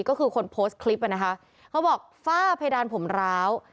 ก็คือคนโพสต์คลิปอ่ะนะคะเขาบอกฝ้าเพดานผมร้าว